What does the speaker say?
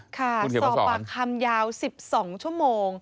ค่ะสอบปากคำยาว๑๒ชั่วโมง